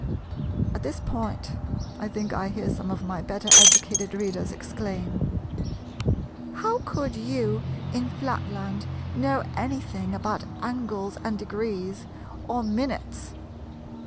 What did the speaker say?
At this point I think I hear some of my better educated readers exclaim, "How could you in Flatland know anything about angles and degrees, or minutes?